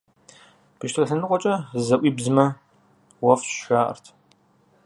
Бещто лъэныкъуэмкӀэ зызэӀуибзмэ, уэфщӀ, жаӀэрт.